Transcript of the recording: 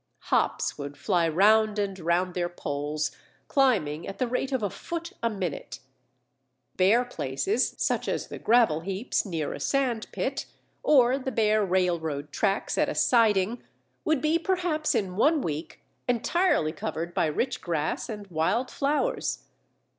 Hops would fly round and round their poles, climbing at the rate of a foot a minute. Bare places, such as the gravel heaps near a sandpit, or the bare railroad tracks at a siding, would be perhaps in one week entirely covered by rich grass and wild flowers.